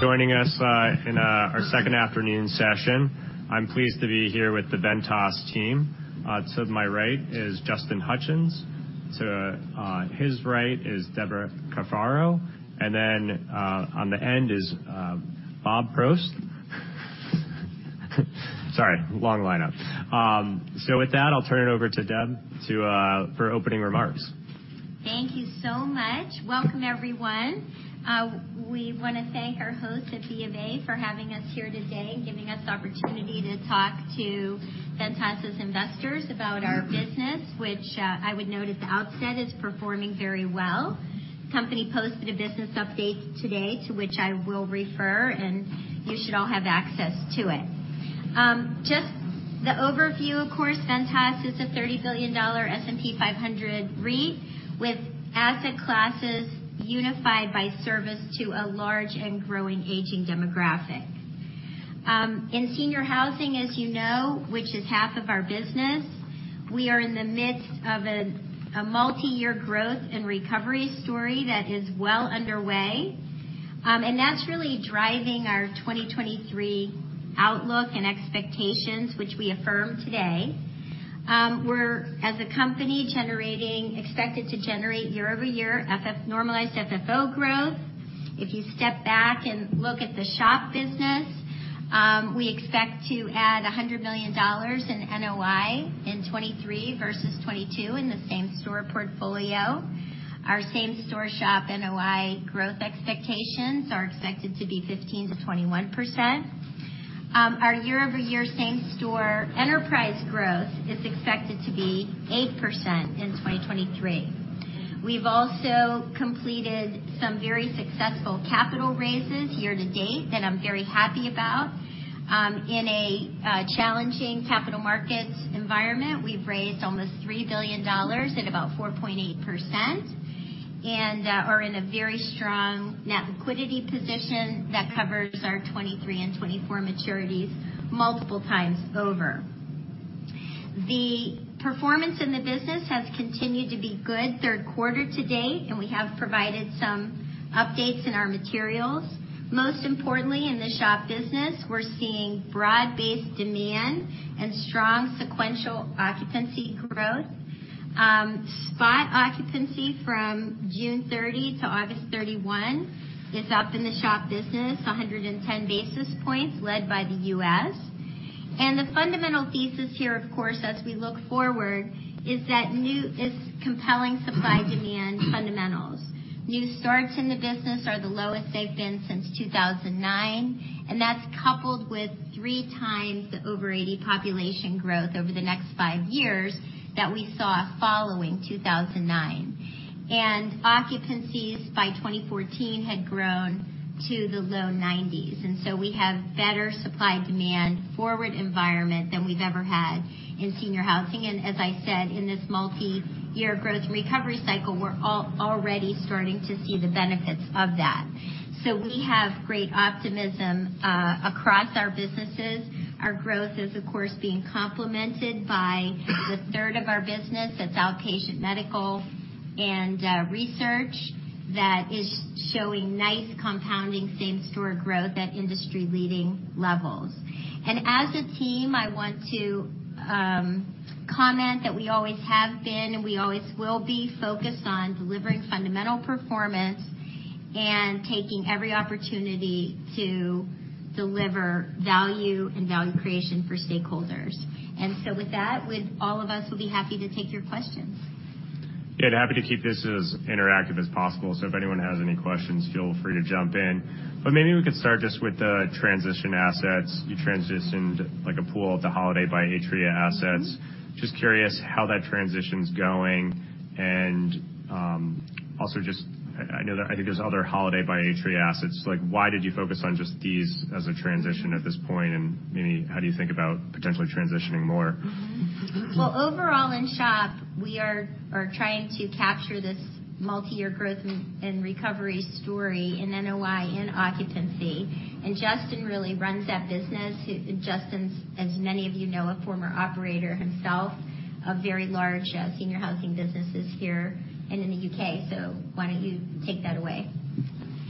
Joining us in our second afternoon session, I'm pleased to be here with the Ventas team. To my right is Justin Hutchens. To his right is Debra Cafaro, and then on the end is Bob Probst. Sorry, long lineup. So with that, I'll turn it over to Deb for opening remarks. Thank you so much. Welcome, everyone. We want to thank our hosts at BofA for having us here today and giving us the opportunity to talk to Ventas' investors about our business, which, I would note at the outset, is performing very well. The company posted a business update today, to which I will refer, and you should all have access to it. Just the overview, of course, Ventas is a $30 billion S&P 500 REIT with asset classes unified by service to a large and growing aging demographic. In senior housing, as you know, which is half of our business, we are in the midst of a multi-year growth and recovery story that is well underway. And that's really driving our 2023 outlook and expectations, which we affirm today. We're, as a company, expected to generate year-over-year normalized FFO growth. If you step back and look at the SHOP business, we expect to add $100 million in NOI in 2023 versus 2022 in the same store portfolio. Our same store SHOP NOI growth expectations are expected to be 15%-21%. Our year-over-year same store enterprise growth is expected to be 8% in 2023. We've also completed some very successful capital raises year to date, that I'm very happy about. In a challenging capital markets environment, we've raised almost $3 billion at about 4.8%, and are in a very strong net liquidity position that covers our 2023 and 2024 maturities multiple times over. The performance in the business has continued to be good third quarter to date, and we have provided some updates in our materials. Most importantly, in the SHOP business, we're seeing broad-based demand and strong sequential occupancy growth. Spot occupancy from June 30 to August 31 is up in the SHOP business, 110 basis points led by the U.S. The fundamental thesis here, of course, as we look forward, is compelling supply-demand fundamentals. New starts in the business are the lowest they've been since 2009, and that's coupled with 3 times the over 80 population growth over the next five years that we saw following 2009. Occupancies by 2014 had grown to the low 90s, and so we have better supply-demand forward environment than we've ever had in senior housing. And as I said, in this multi-year growth recovery cycle, we're already starting to see the benefits of that. So we have great optimism across our businesses. Our growth is, of course, being complemented by the third of our business, that's outpatient medical and research, that is showing nice compounding same-store growth at industry-leading levels. And as a team, I want to comment that we always have been, and we always will be, focused on delivering fundamental performance and taking every opportunity to deliver value and value creation for stakeholders. And so with that, with all of us, we'll be happy to take your questions. Yeah, and happy to keep this as interactive as possible, so if anyone has any questions, feel free to jump in. But maybe we could start just with the transition assets. You transitioned, like, a pool of the Holiday by Atria assets. Just curious how that transition's going, and, also just I know that I think there's other Holiday by Atria assets. Like, why did you focus on just these as a transition at this point, and maybe how do you think about potentially transitioning more? Well, overall, in SHOP, we are trying to capture this multi-year growth and recovery story in NOI and occupancy, and Justin really runs that business. Justin, as many of you know, a former operator himself, of very large senior housing businesses here and in the U.K. So why don't you take that away?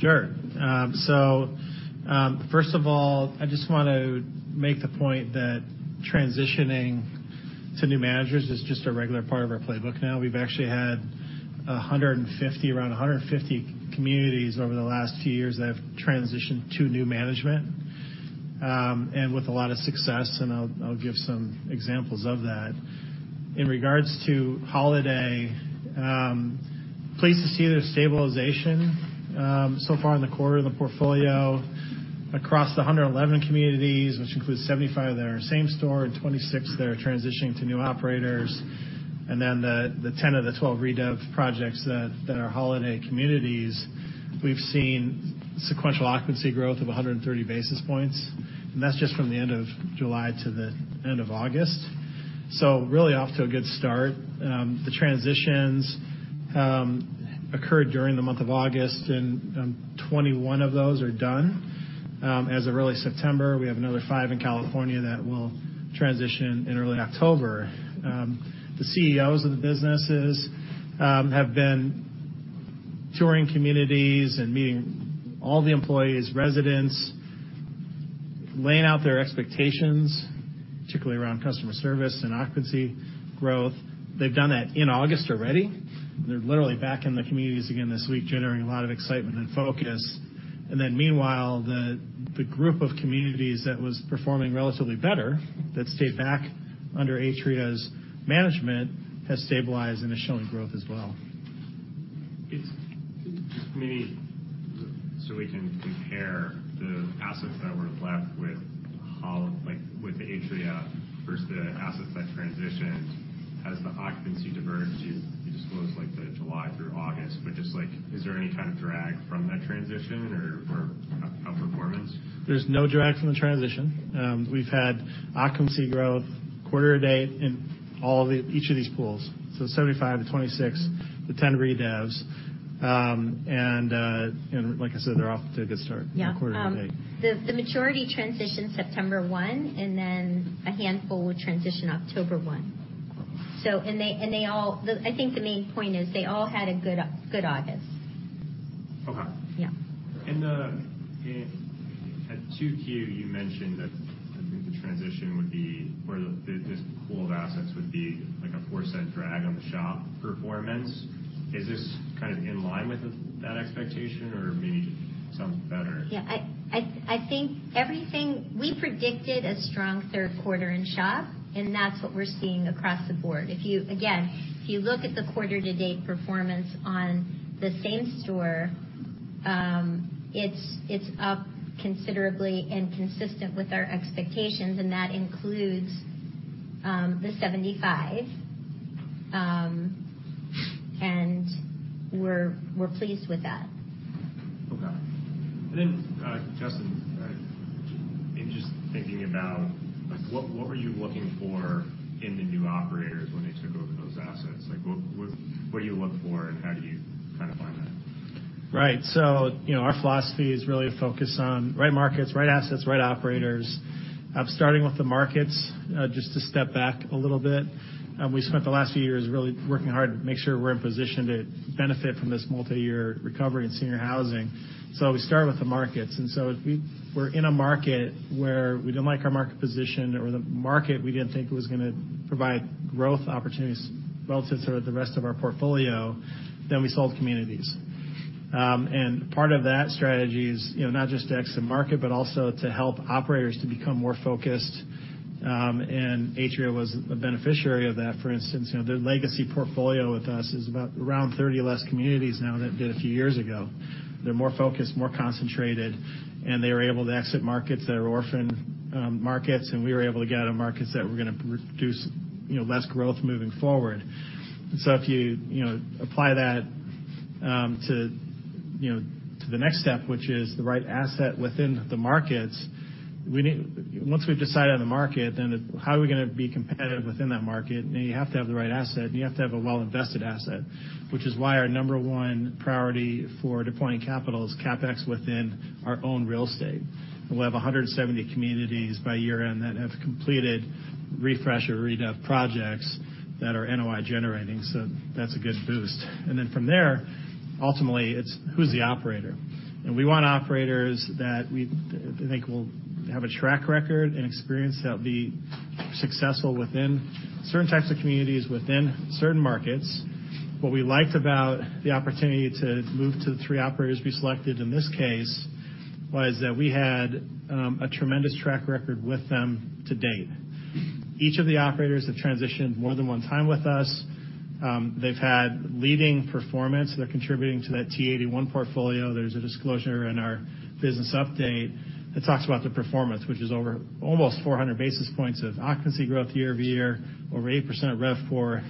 Sure. First of all, I just want to make the point that transitioning to new managers is just a regular part of our playbook now. We've actually had 150, around 150 communities over the last few years that have transitioned to new management, and with a lot of success, and I'll, I'll give some examples of that. In regards to Holiday, pleased to see their stabilization, so far in the quarter, the portfolio across the 111 communities, which includes 75 that are same store and 26 that are transitioning to new operators, and then the, the 10 of the 12 redev projects that, that are Holiday communities, we've seen sequential occupancy growth of 130 basis points. That's just from the end of July to the end of August. So really off to a good start. The transitions occurred during the month of August, and 21 of those are done. As of early September, we have another five in California that will transition in early October. The CEOs of the businesses have been touring communities and meeting all the employees, residents, laying out their expectations, particularly around customer service and occupancy growth. They've done that in August already. They're literally back in the communities again this week, generating a lot of excitement and focus. And then meanwhile, the group of communities that was performing relatively better, that stayed back under Atria's management, has stabilized and is showing growth as well. It's just maybe so we can compare the assets that were left with how, like, with the Atria versus the assets that transitioned, has the occupancy diverged? You just closed, like, the July through August, but just like, is there any kind of drag from that transition or outperformance? There's no drag from the transition. We've had occupancy growth quarter to date in all of the, each of these pools. So 75 to 26, the 10 redevs. And like I said, they're off to a good start- Yeah. Quarter to date. The majority transitioned September 1, and then a handful will transition October 1. So, the main point is they all had a good August. Okay. Yeah. In 2Q, you mentioned that I think the transition would be, or the, this pool of assets would be like a $0.04 drag on the SHOP performance. Is this kind of in line with that expectation, or maybe some better? Yeah, I think everything. We predicted a strong third quarter in SHOP, and that's what we're seeing across the board. If you again look at the quarter-to-date performance on the same store, it's up considerably and consistent with our expectations, and that includes the 75. And we're pleased with that. Okay. And then, Justin, in just thinking about, like, what, what were you looking for in the new operators when they took over those assets? Like, what, what, what do you look for, and how do you kind of find that? Right. So, you know, our philosophy is really to focus on right markets, right assets, right operators. Starting with the markets, just to step back a little bit, we spent the last few years really working hard to make sure we're in a position to benefit from this multiyear recovery in senior housing. So we start with the markets. And so if we were in a market where we didn't like our market position or the market, we didn't think it was gonna provide growth opportunities relative to the rest of our portfolio, then we sold communities. And part of that strategy is, you know, not just to exit market, but also to help operators to become more focused, and Atria was a beneficiary of that. For instance, you know, their legacy portfolio with us is about around 30 less communities now than it did a few years ago. They're more focused, more concentrated, and they were able to exit markets that are orphan markets, and we were able to get out of markets that were gonna produce, you know, less growth moving forward. So if you, you know, apply that to, you know, to the next step, which is the right asset within the markets we need. Once we've decided on the market, then how are we gonna be competitive within that market? And you have to have the right asset, and you have to have a well-invested asset, which is why our number one priority for deploying capital is CapEx within our own real estate. We'll have 170 communities by year-end that have completed refresh or redev projects that are NOI generating, so that's a good boost. Then from there, ultimately, it's who's the operator? We want operators that we think will have a track record and experience that will be successful within certain types of communities, within certain markets. What we liked about the opportunity to move to the three operators we selected in this case was that we had a tremendous track record with them to date. Each of the operators have transitioned more than one time with us. They've had leading performance. They're contributing to that T81 portfolio. There's a disclosure in our business update that talks about the performance, which is over almost 400 basis points of occupancy growth year-over-year, over 8% RevPOR,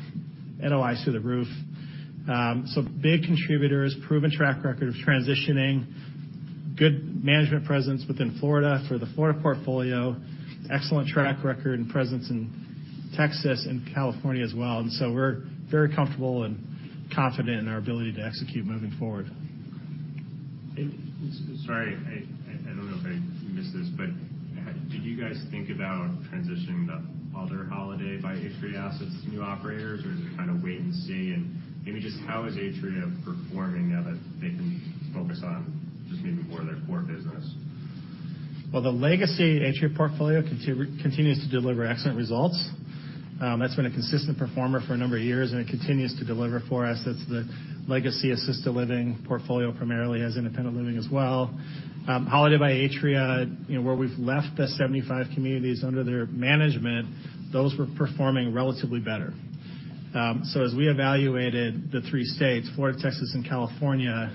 NOIs through the roof. So big contributors, proven track record of transitioning, good management presence within Florida for the Florida portfolio, excellent track record and presence in Texas and California as well. And so we're very comfortable and confident in our ability to execute moving forward. Sorry, I don't know if I missed this, but did you guys think about transitioning the other Holiday by Atria assets to new operators, or just kind of wait and see? And maybe just how is Atria performing now that they can focus on just maybe more of their core business? Well, the legacy Atria portfolio continues to deliver excellent results. That's been a consistent performer for a number of years, and it continues to deliver for us. That's the legacy assisted living portfolio, primarily as independent living as well. Holiday by Atria, you know, where we've left the 75 communities under their management, those were performing relatively better. As we evaluated the three states, Florida, Texas, and California,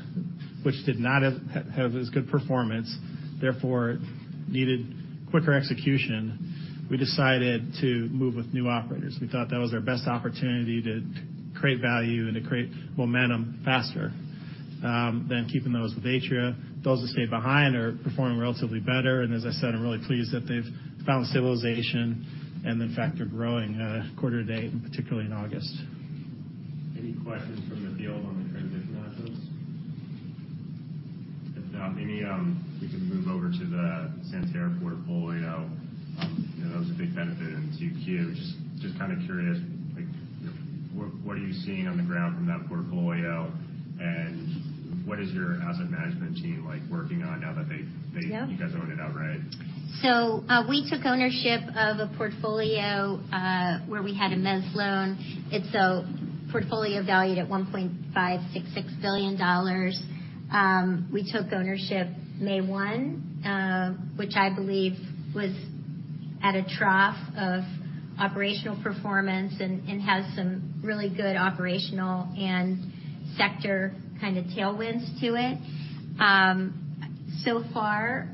which did not have as good performance, therefore needed quicker execution, we decided to move with new operators. We thought that was our best opportunity to create value and to create momentum faster, than keeping those with Atria. Those that stayed behind are performing relatively better, and as I said, I'm really pleased that they've found stabilization, and in fact, they're growing, quarter to date, and particularly in August. Any questions from the field on the transition assets? If not, maybe we can move over to the Santerre portfolio.... a big benefit in 2Q. Just, just kind of curious, like, what, what are you seeing on the ground from that portfolio, and what is your asset management team like working on now that they, they- Yeah. You guys own it outright? So, we took ownership of a portfolio where we had a mezz loan. It's a portfolio valued at $1.566 billion. We took ownership May 1, which I believe was at a trough of operational performance and has some really good operational and sector kind of tailwinds to it. So far,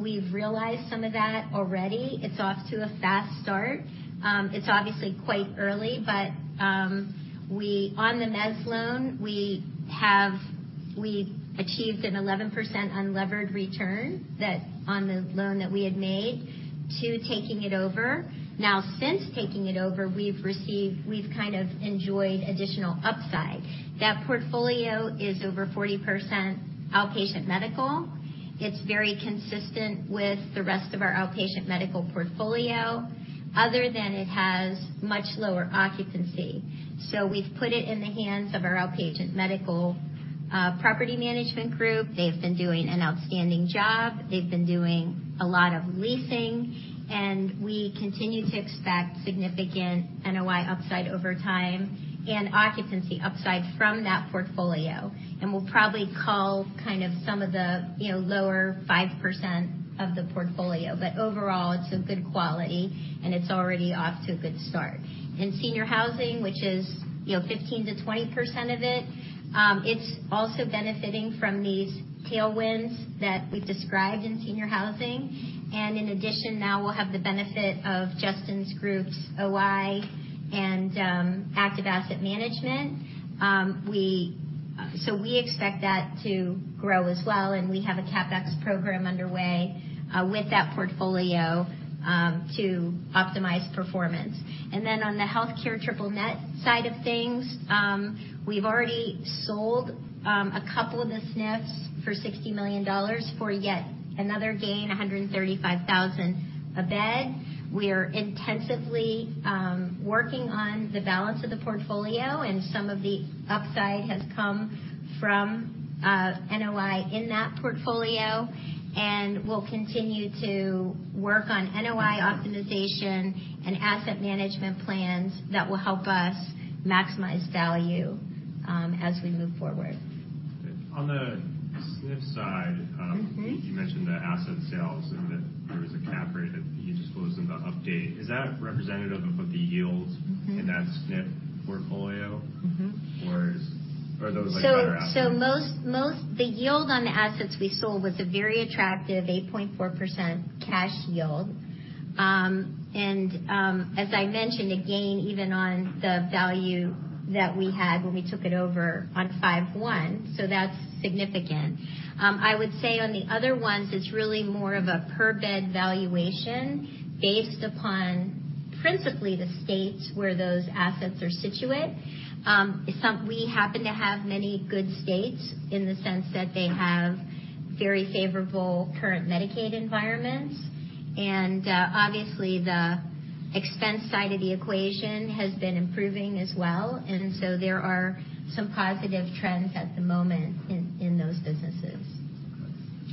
we've realized some of that already. It's off to a fast start. It's obviously quite early, but on the mezz loan, we've achieved an 11% unlevered return that on the loan that we had made to taking it over. Now, since taking it over, we've kind of enjoyed additional upside. That portfolio is over 40% outpatient medical. It's very consistent with the rest of our outpatient medical portfolio, other than it has much lower occupancy. So we've put it in the hands of our outpatient medical property management group. They've been doing an outstanding job. They've been doing a lot of leasing, and we continue to expect significant NOI upside over time and occupancy upside from that portfolio. And we'll probably cull kind of some of the, you know, lower 5% of the portfolio. But overall, it's a good quality, and it's already off to a good start. In senior housing, which is, you know, 15%-20% of it, it's also benefiting from these tailwinds that we've described in senior housing. And in addition, now we'll have the benefit of Justin's group's OI and active asset management. So we expect that to grow as well, and we have a CapEx program underway with that portfolio to optimize performance. Then on the healthcare triple net side of things, we've already sold a couple of the SNFs for $60 million for yet another gain, 135,000 a bed. We are intensively working on the balance of the portfolio, and some of the upside has come from NOI in that portfolio, and we'll continue to work on NOI optimization and asset management plans that will help us maximize value as we move forward. On the SNF side- You mentioned the asset sales and that there was a cap rate that you disclosed in the update. Is that representative of what the yield- -in that SNF portfolio? Or are those, like, better assets? The yield on the assets we sold was a very attractive 8.4% cash yield. And, as I mentioned, a gain even on the value that we had when we took it over on 5/1, so that's significant. I would say on the other ones, it's really more of a per-bed valuation based upon principally the states where those assets are situated. We happen to have many good states in the sense that they have very favorable current Medicaid environments, and, obviously, the expense side of the equation has been improving as well, and so there are some positive trends at the moment in those businesses.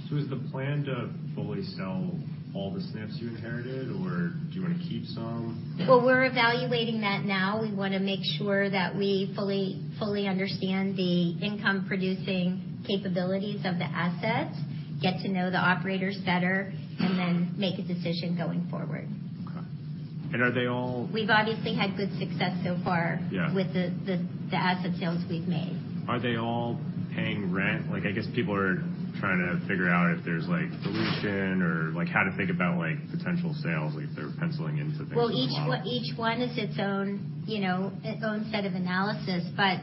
So is the plan to fully sell all the SNFs you inherited, or do you want to keep some? Well, we're evaluating that now. We want to make sure that we fully, fully understand the income-producing capabilities of the assets, get to know the operators better, and then make a decision going forward. Okay. And are they all- We've obviously had good success so far. Yeah. -with the asset sales we've made. Are they all paying rent? Like, I guess people are trying to figure out if there's, like, dilution or like, how to think about, like, potential sales, like if they're penciling into things for the model. Well, each one, each one is its own, you know, its own set of analysis. But,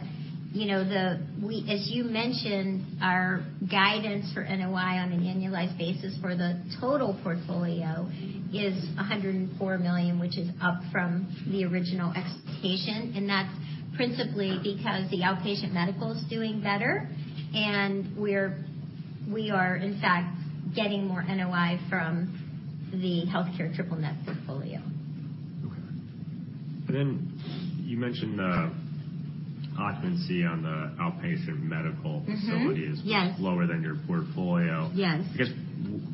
you know, the, we, as you mentioned, our guidance for NOI on an annualized basis for the total portfolio is $104 million, which is up from the original expectation, and that's principally because the outpatient medical is doing better, and we're, we are, in fact, getting more NOI from the healthcare triple net portfolio. Okay. But then you mentioned the occupancy on the outpatient medical- Yes. -facility is lower than your portfolio. Yes. I guess,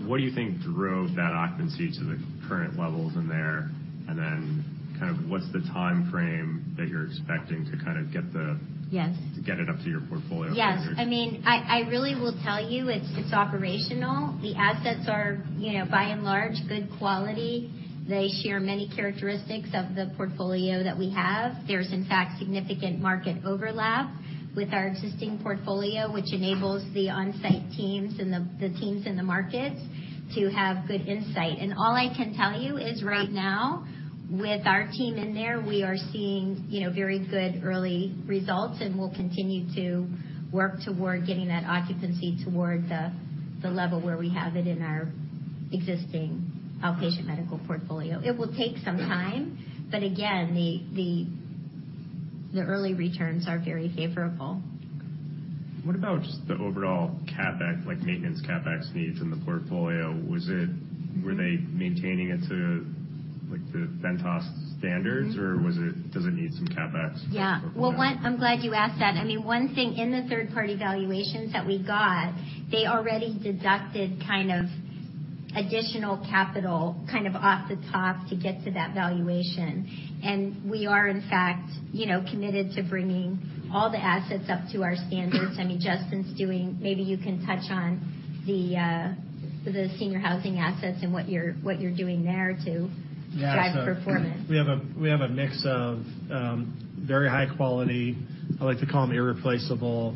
what do you think drove that occupancy to the current levels in there, and then kind of what's the timeframe that you're expecting to kind of get the- Yes. -to get it up to your portfolio figures? Yes. I mean, I really will tell you, it's operational. The assets are, you know, by and large, good quality. They share many characteristics of the portfolio that we have. There's, in fact, significant market overlap with our existing portfolio, which enables the on-site teams and the teams in the markets to have good insight. And all I can tell you is, right now, with our team in there, we are seeing, you know, very good early results, and we'll continue to work toward getting that occupancy toward the level where we have it in our existing outpatient medical portfolio. It will take some time, but again, the early returns are very favorable. What about just the overall CapEx, like maintenance CapEx needs in the portfolio? Were they maintaining it to, like, the Ventas standards, or does it need some CapEx? Yeah. Well, one, I'm glad you asked that. I mean, one thing in the third-party valuations that we got, they already deducted kind of additional capital, kind of off the top to get to that valuation. And we are, in fact, you know, committed to bringing all the assets up to our standards. I mean, Justin's doing—maybe you can touch on the, the senior housing assets and what you're, what you're doing there to- Yeah. -drive performance. We have a mix of very high quality, I like to call them irreplaceable,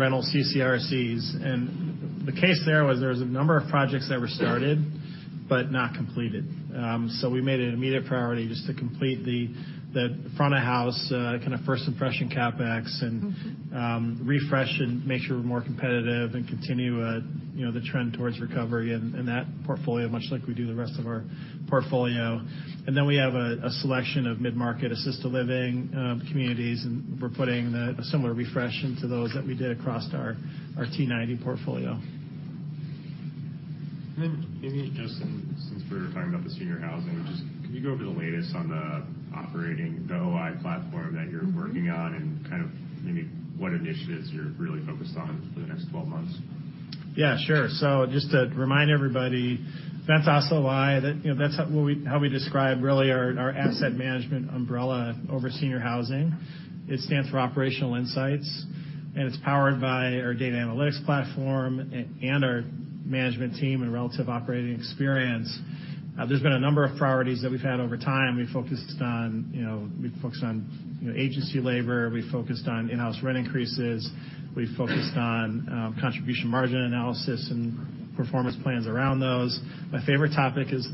rental CCRCs. And the case there was a number of projects that were started but not completed. So we made it an immediate priority just to complete the front of house kind of first impression CapEx and- refresh and make sure we're more competitive and continue, you know, the trend towards recovery in that portfolio, much like we do the rest of our portfolio. And then we have a selection of mid-market assisted living communities, and we're putting a similar refresh into those that we did across our T90 portfolio. Maybe, Justin, since we're talking about the senior housing- Sure. Just, can you go over the latest on the operating, the OI platform that you're working on, and kind of maybe what initiatives you're really focused on for the next twelve months? Yeah, sure. So just to remind everybody, Ventas OI, that, you know, that's how, what we, how we describe really our, our asset management umbrella over senior housing. It stands for Operational Insights, and it's powered by our data analytics platform and our management team and relative operating experience. There's been a number of priorities that we've had over time. We focused on, you know, we focused on, you know, agency labor, we focused on in-house rent increases, we focused on contribution margin analysis and performance plans around those. My favorite topic is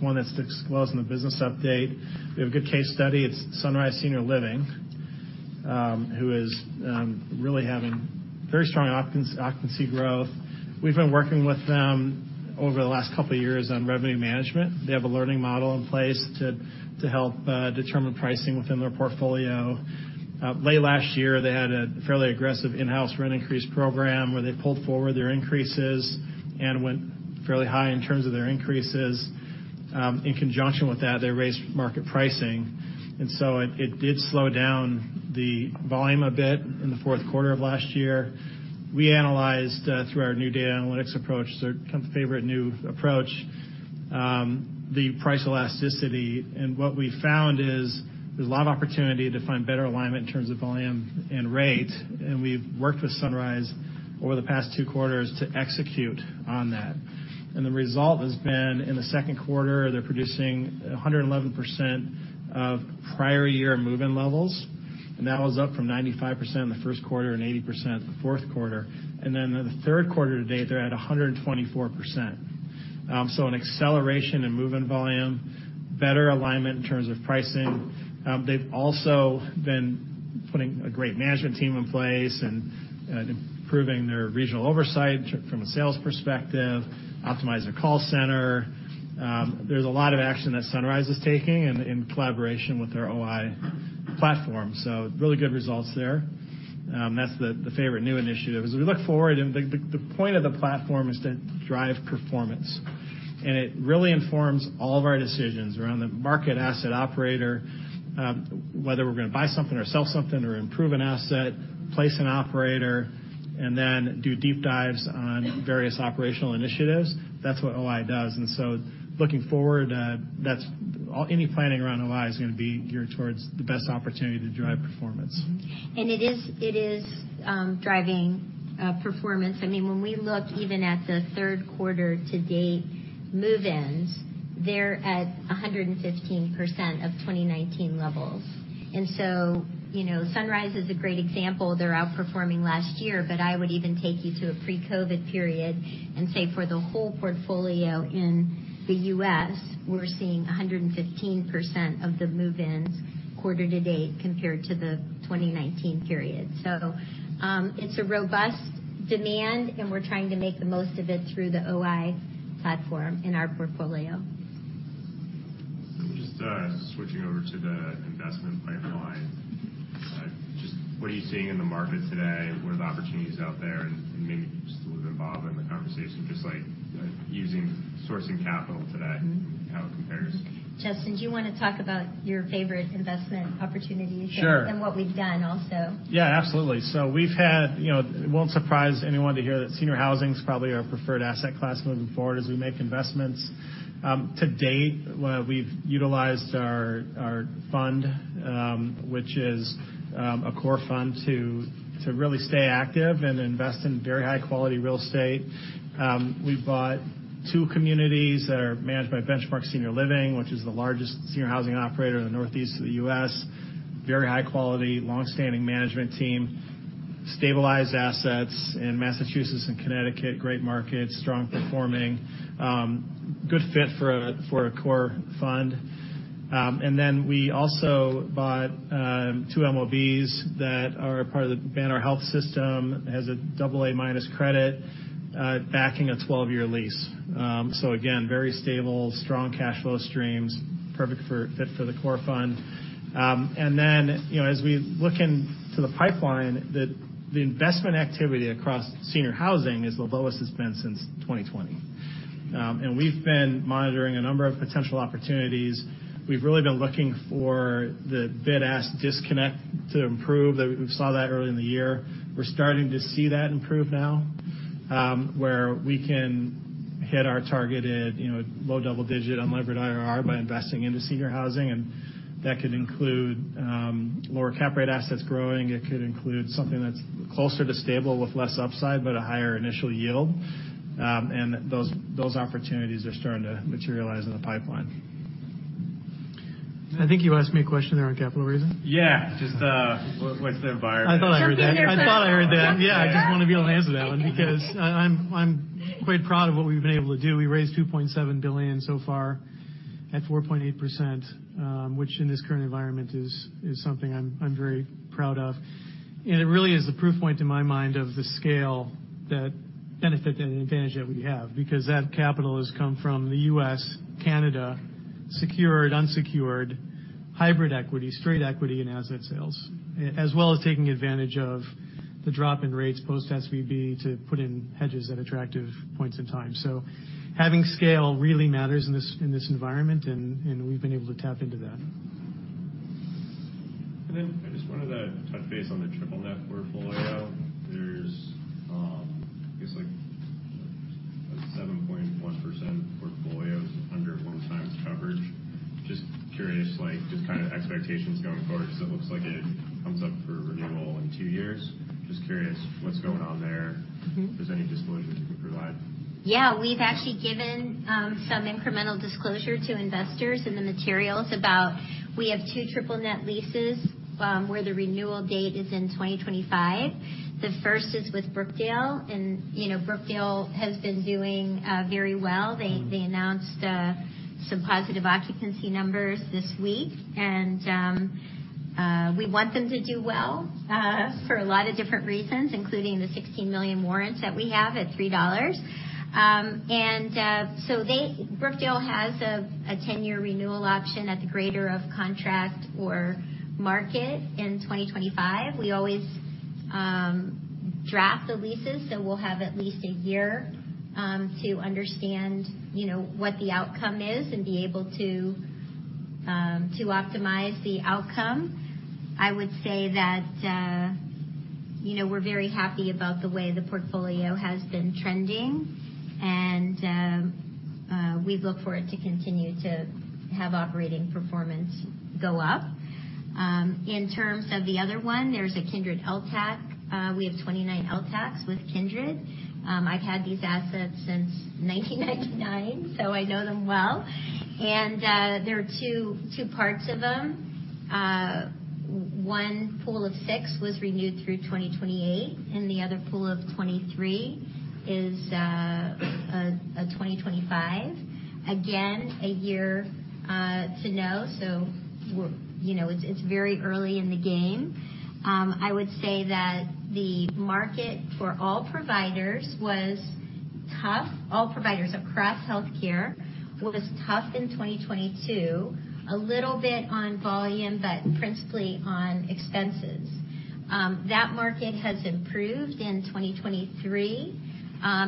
one that's disclosed in the business update. We have a good case study. It's Sunrise Senior Living, who is really having very strong occupancy growth. We've been working with them over the last couple of years on revenue management. They have a learning model in place to help determine pricing within their portfolio. Late last year, they had a fairly aggressive in-house rent increase program, where they pulled forward their increases and went fairly high in terms of their increases. In conjunction with that, they raised market pricing, and so it did slow down the volume a bit in the fourth quarter of last year. We analyzed through our new data analytics approach, so kind of favorite new approach, the price elasticity, and what we found is there's a lot of opportunity to find better alignment in terms of volume and rate, and we've worked with Sunrise over the past two quarters to execute on that. And the result has been, in the second quarter, they're producing 111% of prior year move-in levels, and that was up from 95% in the first quarter and 80% the fourth quarter. And then in the third quarter to date, they're at 124%. So an acceleration in move-in volume, better alignment in terms of pricing. They've also been putting a great management team in place and improving their regional oversight from a sales perspective, optimize their call center. There's a lot of action that Sunrise is taking in collaboration with our OI platform, so really good results there. That's the favorite new initiative. As we look forward, and the point of the platform is to drive performance, and it really informs all of our decisions around the market, asset, operator, whether we're going to buy something or sell something or improve an asset, place an operator, and then do deep dives on various operational initiatives. That's what OI does. And so looking forward, that's any planning around OI is going to be geared towards the best opportunity to drive performance. Mm-hmm. And it is driving performance. I mean, when we looked even at the third quarter to date, move-ins, they're at 115% of 2019 levels. And so, you know, Sunrise is a great example. They're outperforming last year, but I would even take you to a pre-COVID period and say, for the whole portfolio in the U.S., we're seeing 115% of the move-ins quarter to date compared to the 2019 period. So, it's a robust demand, and we're trying to make the most of it through the OI platform in our portfolio. Just switching over to the investment pipeline, just what are you seeing in the market today? What are the opportunities out there, and maybe just a little bit involved in the conversation, just like sourcing capital today- and how it compares. Justin, do you want to talk about your favorite investment opportunities? Sure. And what we've done also. Yeah, absolutely. So we've had... You know, it won't surprise anyone to hear that senior housing is probably our preferred asset class moving forward as we make investments. To date, we've utilized our fund, which is a core fund, to really stay active and invest in very high-quality real estate. We bought two communities that are managed by Benchmark Senior Living, which is the largest senior housing operator in the Northeast of the U.S. Very high quality, long-standing management team.... stabilized assets in Massachusetts and Connecticut, great markets, strong performing, good fit for a core fund. And then we also bought two MOBs that are part of the Banner Health, has a double A minus credit backing a 12-year lease. So again, very stable, strong cash flow streams, perfect fit for the core fund. And then, you know, as we look into the pipeline, the investment activity across senior housing is the lowest it's been since 2020. We've been monitoring a number of potential opportunities. We've really been looking for the bid-ask disconnect to improve. We saw that early in the year. We're starting to see that improve now, where we can hit our target at, you know, low double-digit unlevered IRR by investing into senior housing, and that could include lower cap rate assets growing. It could include something that's closer to stable with less upside, but a higher initial yield. Those opportunities are starting to materialize in the pipeline. I think you asked me a question around capital reason? Yeah, just, what’s the environment? I thought I heard that. I thought I heard that. Yeah, I just want to be able to answer that one, because I'm quite proud of what we've been able to do. We raised $2.7 billion so far at 4.8%, which in this current environment is something I'm very proud of. And it really is the proof point to my mind of the scale, that benefit and advantage that we have, because that capital has come from the U.S., Canada, secured, unsecured, hybrid equity, straight equity, and asset sales, as well as taking advantage of the drop in rates post SVB to put in hedges at attractive points in time. So having scale really matters in this environment, and we've been able to tap into that. And then I just wanted to touch base on the triple-net portfolio. There's, it's like a 7.1% portfolio under one times coverage. Just curious, like, just kind of expectations going forward, because it looks like it comes up for renewal in two years. Just curious, what's going on there? If there's any disclosures you can provide? Yeah. We've actually given some incremental disclosure to investors in the materials about... We have two Triple Net leases where the renewal date is in 2025. The first is with Brookdale, and, you know, Brookdale has been doing very well. They announced some positive occupancy numbers this week, and we want them to do well for a lot of different reasons, including the 16 million warrants that we have at $3. So Brookdale has a 10-year renewal option at the greater of contract or market in 2025. We always draft the leases, so we'll have at least a year to understand, you know, what the outcome is and be able to optimize the outcome. I would say that, you know, we're very happy about the way the portfolio has been trending, and we look for it to continue to have operating performance go up. In terms of the other one, there's a Kindred LTAC. We have 29 LTACs with Kindred. I've had these assets since 1999, so I know them well. And there are two parts of them. One pool of 6 was renewed through 2028, and the other pool of 23 is a 2025. Again, a year to know, so we're—you know, it's very early in the game. I would say that the market for all providers was tough. All providers across healthcare was tough in 2022, a little bit on volume, but principally on expenses. That market has improved in 2023,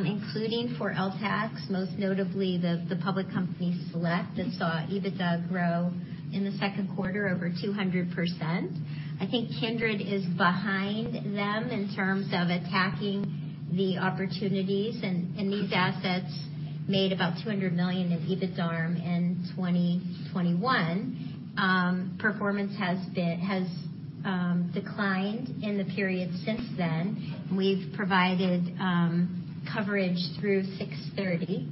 including for LTACs, most notably the public company Select, that saw EBITDA grow in the second quarter over 200%. I think Kindred is behind them in terms of attacking the opportunities, and these assets made about $200 million in EBITDARM in 2021. Performance has declined in the period since then. We've provided coverage through 6/30.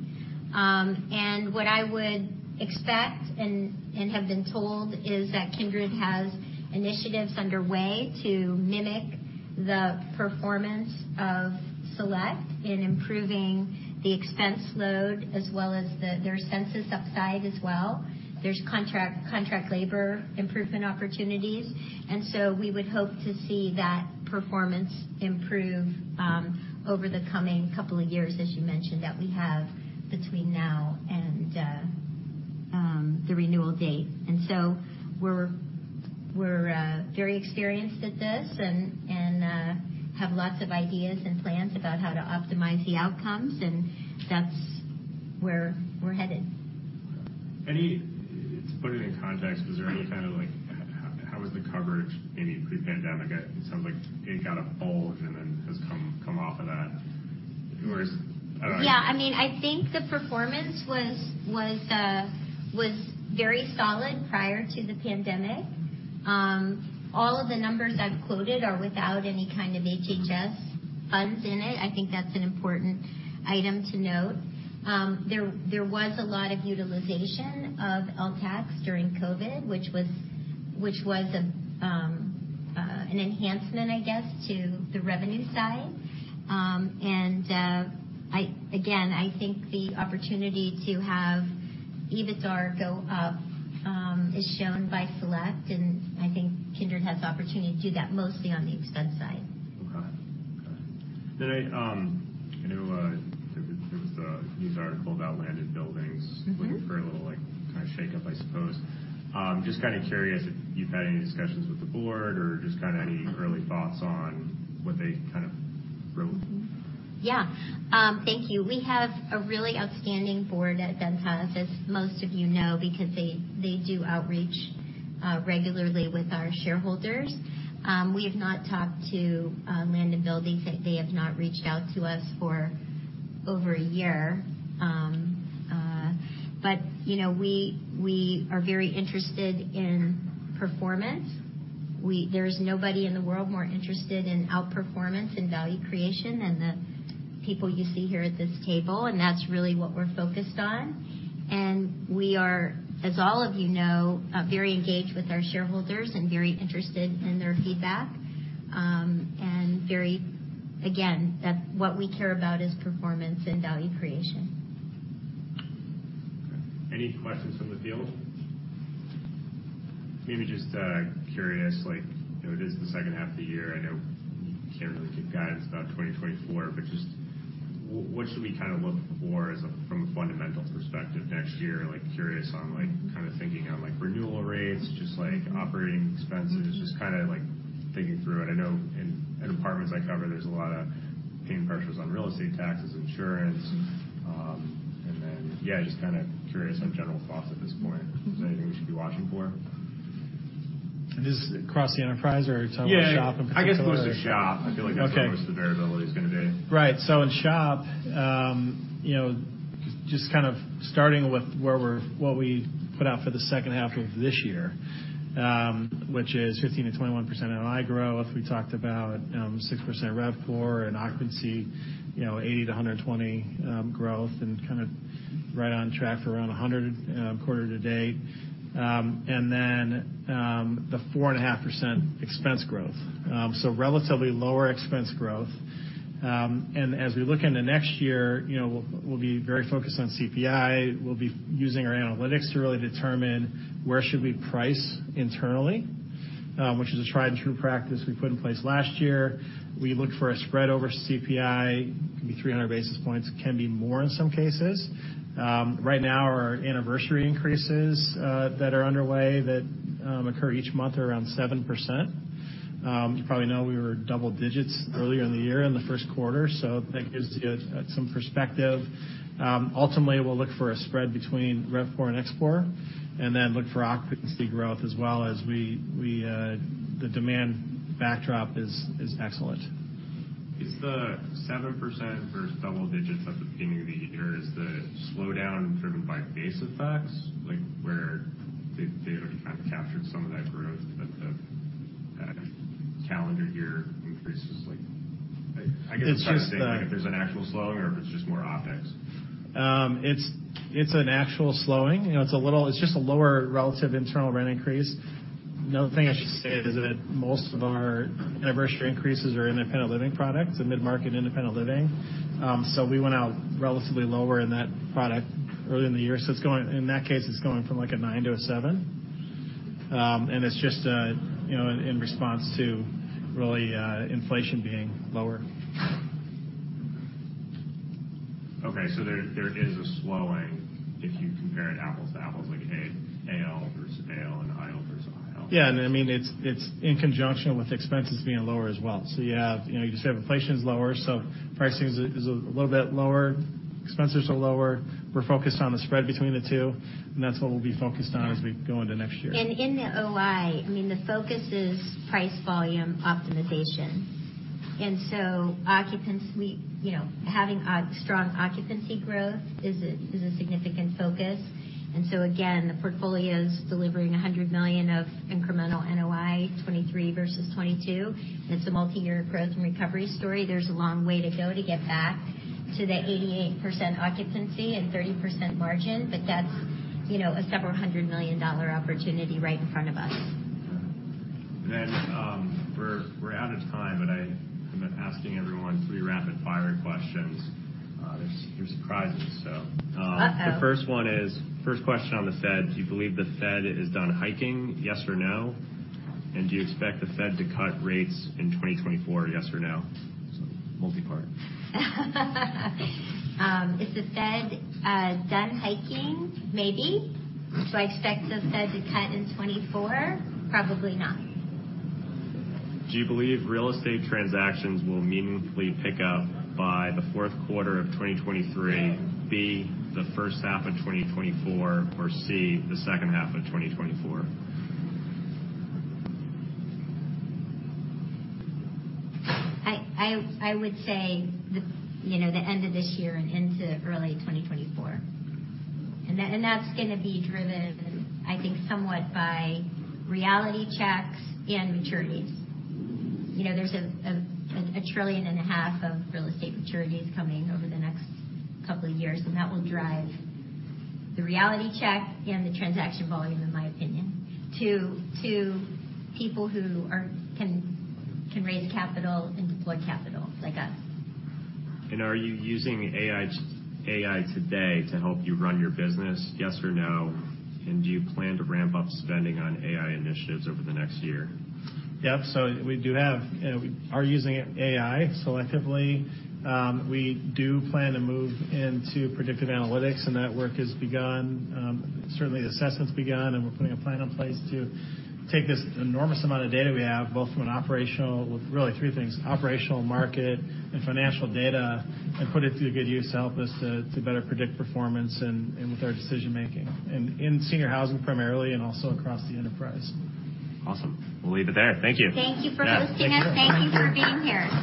And what I would expect and have been told is that Kindred has initiatives underway to mimic the performance of Select in improving the expense load as well as their census upside as well. There's contract labor improvement opportunities, and so we would hope to see that performance improve over the coming couple of years, as you mentioned, that we have between now and the renewal date. And so we're very experienced at this and have lots of ideas and plans about how to optimize the outcomes, and that's where we're headed. To put it in context, was there any kind of like, how was the coverage any pre-pandemic at? It sounds like it got a bulge and then has come off of that. Where's, I don't- Yeah, I mean, I think the performance was very solid prior to the pandemic. All of the numbers I've quoted are without any kind of HHS funds in it. I think that's an important item to note. There was a lot of utilization of LTACs during COVID, which was an enhancement, I guess, to the revenue side. And again, I think the opportunity to have EBITDA go up is shown by Select, and I think Kindred has the opportunity to do that mostly on the expense side. Okay. Okay. Then I know there was a news article about Land and Buildings- Looking for a little, like, kind of, shakeup, I suppose. Just kind of curious if you've had any discussions with the board or just kind of any early thoughts on what they kind of wrote? Yeah. Thank you. We have a really outstanding board at Ventas, as most of you know, because they do outreach regularly with our shareholders. We have not talked to Land and Buildings. They have not reached out to us for over a year. But you know, we are very interested in performance. There's nobody in the world more interested in outperformance and value creation than the people you see here at this table, and that's really what we're focused on. And we are, as all of you know, very engaged with our shareholders and very interested in their feedback, and very, again, that's what we care about, is performance and value creation. Okay. Any questions from the field? Maybe just, curious, like, you know, it is the second half of the year. I know you can't really give guidance about 2024, but just what should we kind of look for as a, from a fundamental perspective next year? Like, curious on, like, kind of thinking on, like, renewal rates, just, like, operating expenses. Just kind of, like, thinking through it. I know in apartments I cover, there's a lot of pricing pressures on real estate taxes, insurance. And then, yeah, just kind of curious on general thoughts at this point. Is there anything we should be watching for? Just across the enterprise or are you talking about SHOP in particular? Yeah, I guess mostly SHOP. Okay. I feel like that's where most of the variability is gonna be. Right. So in SHOP, you know, just kind of starting with what we put out for the second half of this year, which is 15%-21% NOI growth. We talked about, six percent RevPAR and occupancy, you know, 80-120 growth, and kind of right on track for around 100 quarter to date. And then, the 4.5% expense growth. So relatively lower expense growth. And as we look into next year, you know, we'll, we'll be very focused on CPI. We'll be using our analytics to really determine where should we price internally, which is a tried-and-true practice we put in place last year. We look for a spread over CPI, can be 300 basis points, can be more in some cases. Right now, our anniversary increases that are underway that occur each month are around 7%. You probably know we were double digits earlier in the year, in the first quarter, so that gives you some perspective. Ultimately, we'll look for a spread between RevPAR and ExpPAR, and then look for occupancy growth as well as the demand backdrop is excellent. Is the 7% versus double digits at the beginning of the year, is the slowdown driven by base effects? Like, where they already kind of captured some of that growth, but the calendar year increases, like- It's just the- I guess I'm trying to say, like, if there's an actual slowing or if it's just more OpEx. It's an actual slowing. You know, it's a little. It's just a lower relative internal rent increase. Another thing I should say is that most of our anniversary increases are independent living products and mid-market independent living. So we went out relatively lower in that product earlier in the year. So it's going. In that case, it's going from, like, a 9 to a 7. And it's just, you know, in response to really, inflation being lower. Okay, so there is a slowing if you compare it apples to apples, like AL versus AL and IO versus IO. Yeah, and I mean, it's in conjunction with expenses being lower as well. So you have, you know, you just have inflation's lower, so pricing is a little bit lower. Expenses are lower. We're focused on the spread between the two, and that's what we'll be focused on as we go into next year. In the OI, I mean, the focus is price volume optimization. Occupancy, you know, having odd, strong occupancy growth is a significant focus. Again, the portfolio's delivering $100 million of incremental NOI, 2023 versus 2022, and it's a multiyear growth and recovery story. There's a long way to go to get back to the 88% occupancy and 30% margin, but that's, you know, a several hundred million dollar opportunity right in front of us. Yeah. And then, we're out of time, but I commit asking everyone three rapid-fire questions. There's surprises, so- Uh-oh! The first one is, first question on the Fed: Do you believe the Fed is done hiking, yes or no? And do you expect the Fed to cut rates in 2024, yes or no? So multi-part. Is the Fed done hiking? Maybe. Do I expect the Fed to cut in 2024? Probably not. Do you believe real estate transactions will meaningfully pick up by the fourth quarter of 2023, B, the first half of 2024, or C, the second half of 2024? I would say, you know, the end of this year and into early 2024. And that's gonna be driven, I think, somewhat by reality checks and maturities. You know, there's a trillion and a half of real estate maturities coming over the next couple of years, and that will drive the reality check and the transaction volume, in my opinion, to people who can raise capital and deploy capital, like us. Are you using AI, AI today to help you run your business, yes or no? Do you plan to ramp up spending on AI initiatives over the next year? Yep. So we do have, we are using AI selectively. We do plan to move into predictive analytics, and that work has begun. Certainly the assessment's begun, and we're putting a plan in place to take this enormous amount of data we have, both from an operational-- with really three things: operational, market, and financial data, and put it to good use to help us to better predict performance and with our decision making, and in senior housing primarily, and also across the enterprise. Awesome. We'll leave it there. Thank you. Thank you for hosting us. Yeah. Thanks. Thank you for being here.